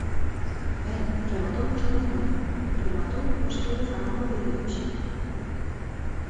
Ben, rematou vostede moi ben, rematou vostede falando de ideoloxía.